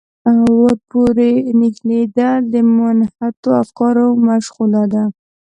ورپورې نښلېدل د منحطو افکارو مشغولا ده.